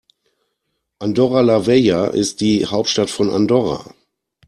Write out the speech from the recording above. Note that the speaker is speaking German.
Andorra la Vella ist die Hauptstadt von Andorra.